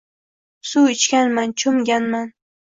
Suv ichganman, cho’mganman.